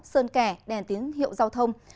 sơn kẻ đèn tiếng hiệu giao thông